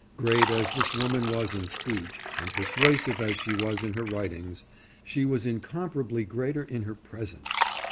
Great as this woman was in speech, and persuasive as she was in her writings, she was incomparably greater in her presence.